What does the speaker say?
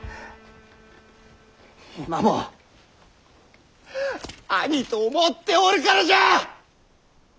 今も兄と思っておるからじゃあ！